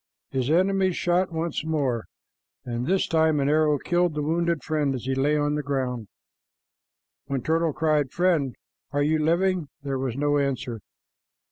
His enemies shot once more, and this time an arrow killed the wounded friend as he lay on the ground. When Turtle cried, "Friend, are you living?" there was no answer.